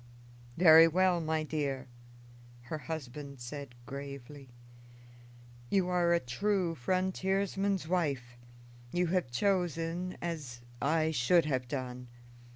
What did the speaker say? "Very well, my dear," her husband said gravely. "You are a true frontiersman's wife; you have chosen as I should have done.